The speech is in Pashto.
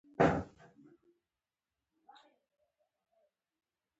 احمد په لوی لاس ځان واچاوو.